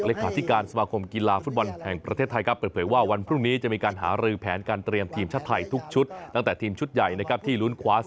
ระดาษของตอบบุรุษโธษภีรยูรยุโระ